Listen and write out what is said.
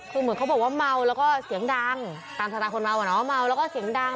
คือเหมือนเขาบอกว่าเมาแล้วก็เสียงดังตามสตาคนเมาอ่ะเนาะเมาแล้วก็เสียงดัง